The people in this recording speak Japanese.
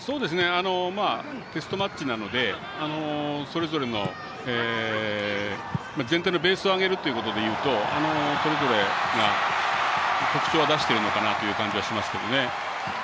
テストマッチなのでそれぞれの全体のベースを上げるということでいうとそれぞれが特徴を出してるのかなという感じします。